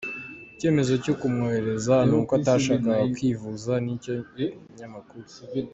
Icyemezo cyo kumwohereza ni uko atashakaga kwivuza nicyo nyamukuru.